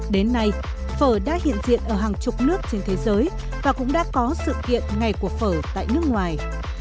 đến nay phở đã hiện diện ở hàng chục nước trên thế giới và cũng đã có sự kiện ngày của phở tại nước ngoài